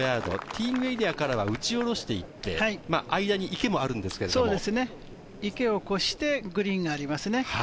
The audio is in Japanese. ティーイングエリアからは打ち下ろしをしていて、間に池を越してグリーンがありますね。